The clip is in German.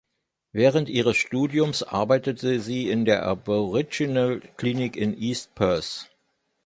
Während ihres Studiums arbeitete sie in der Aboriginal Clinic in East Perth.